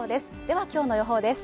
は今日の予報です。